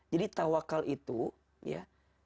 jadi tawakal itu ya